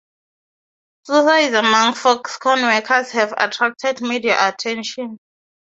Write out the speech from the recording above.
Suicides among Foxconn workers have attracted media attention.